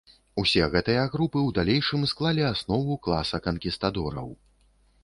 Усе гэтыя групы ў далейшым склалі аснову класа канкістадораў.